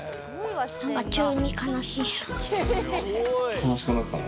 悲しくなったの？